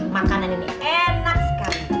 makanan ini enak sekali